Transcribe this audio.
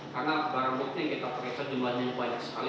karena barang barangnya kita pakai sejumlah yang banyak sekali